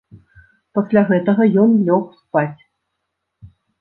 Пасля гэтага ён лёг спаць.